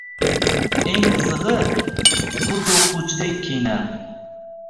Eng qizigʻi, xuddi oʻquvchidek kiyinardi.